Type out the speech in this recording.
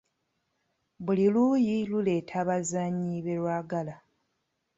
Buli luuyi luleeta abazannyi be lwagala.